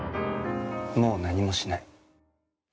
もう何もしない。